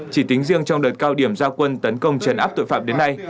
chỉ tính riêng trong đợt cao điểm gia quân tấn công trần áp tội phạm đến nay